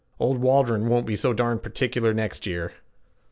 'Old Waldron won't be so darn particular next year.'